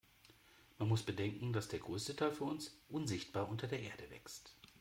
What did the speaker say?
Man muss bedenken, dass der größte Teil für uns unsichtbar unter der Erde wächst.